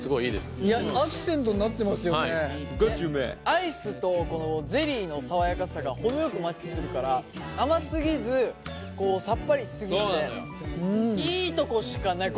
アイスとこのゼリーの爽やかさが程よくマッチするから甘すぎずさっぱりしすぎずでいいとこしかない。